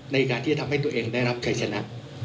ในการที่จะทำให้ตัวเองได้รับชัยชนะ